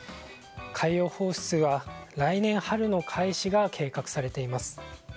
海洋放出は来年春の開始が計画されています。